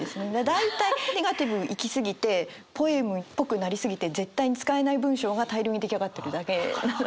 大体ネガティブいきすぎてポエムっぽくなりすぎて絶対に使えない文章が大量に出来上がってるだけなので。